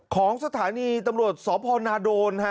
ของสถานีตำรวจสพนาโดน